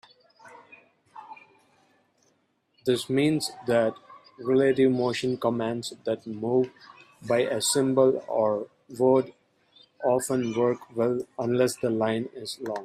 This means that relative motion commands that move by a symbol or word often work well unless the line is long.